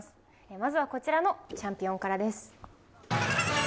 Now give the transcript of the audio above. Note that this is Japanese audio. まずはこちらのチャンピオンからです。